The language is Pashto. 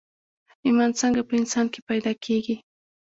ايمان څنګه په انسان کې پيدا کېږي